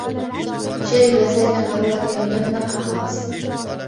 شرب سامي قارورة كاملة من الأقراص.